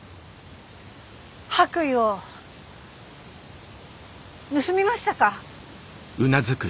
白衣を盗みましたか？